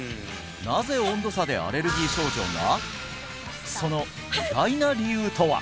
なぜ温度差でアレルギー症状が？